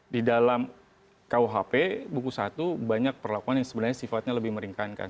di dalam kuhp buku satu banyak perlakuan yang sebenarnya sifatnya lebih meringankan